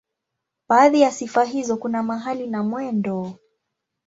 Baadhi ya sifa hizo kuna mahali na mwendo.